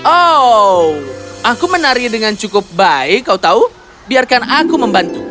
oh aku menari dengan cukup baik kau tahu biarkan aku membantu